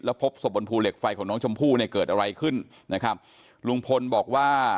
พบศพบนภูเหล็กไฟของน้องชมพู่เนี่ยเกิดอะไรขึ้นนะครับลุงพลบอกว่า